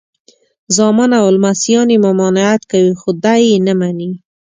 زامن او لمسیان یې ممانعت کوي خو دی یې نه مني.